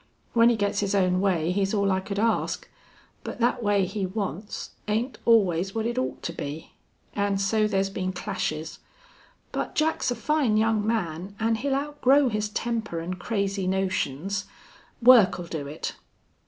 When he gits his own way he's all I could ask. But thet way he wants ain't always what it ought to be. An' so thar's been clashes. But Jack's a fine young man. An' he'll outgrow his temper an' crazy notions. Work'll do it."